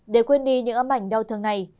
để quên đi những âm ảnh đau thương này